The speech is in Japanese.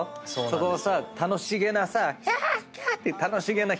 そこをさ楽しげなさ。